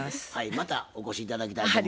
またお越し頂きたいと思います。